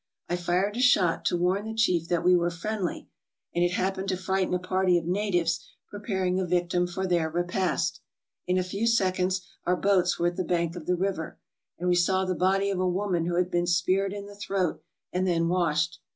I fired a shot to warn the chief that we were friendly, and it happened to frighten a party of natives preparing a victim for their repast. In a few seconds our boats were at the bank of the river, and we saw the body of a woman who had been speared in the throat and then washed.